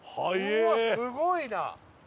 うわっすごいな！